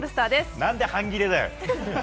何で半ギレだよ！